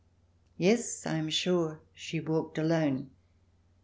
Yes, I am sure she walked alone.